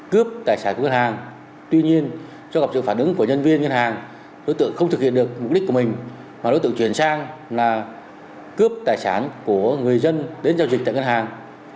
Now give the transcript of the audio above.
cướp tài sản của người dân đến giao dịch tại ngân hàng